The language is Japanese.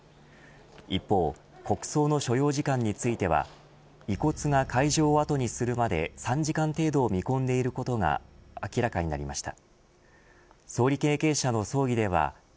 一方、国葬の所要時間については遺骨が会場を後にするまで３時間程度を見込んでいることが明らかになりました。